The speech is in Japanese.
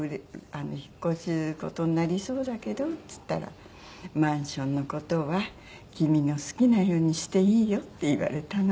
引っ越す事になりそうだけど」っつったら「マンションの事は君の好きなようにしていいよ」って言われたの。